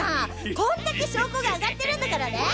こんだけ証拠があがってるんだからね！